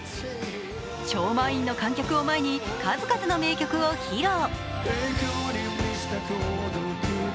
超満員の観客を前に数々の名曲を披露。